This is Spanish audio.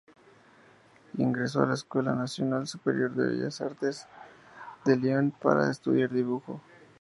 Ingresó en la Escuela nacional superior de Bellas Artes de Lyon para estudiar dibujo.